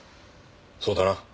そうだな。